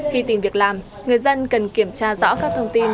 khi tìm việc làm người dân cần kiểm tra rõ các thông tin